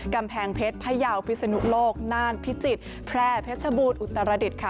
กำแพงเพชรพยาวพิศนุโลกน่านพิจิตรแพร่เพชรบูรอุตรดิษฐ์ค่ะ